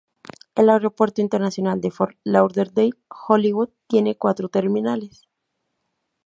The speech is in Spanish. El Aeropuerto Internacional de Fort Lauderdale-Hollywood tiene cuatro terminales.